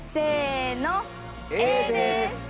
Ａです。